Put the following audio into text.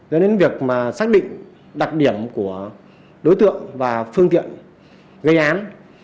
do đến việc xác định đặc điểm của đối tượng và phương tiện gây án